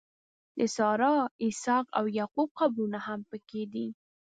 د سارا، اسحاق او یعقوب قبرونه هم په کې دي.